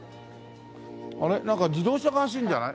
あれなんか自動車が走るんじゃない？